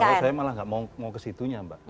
kalau saya malah nggak mau ke situnya mbak